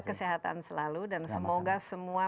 kesehatan selalu dan semoga semua